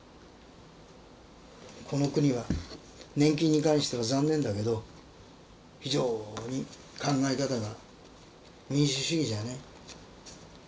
この国は年金に関しては残念だけど非常に考え方が民主主義じゃない。